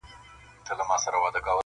د حیا په حجاب پټي چا دي مخ لیدلی نه دی,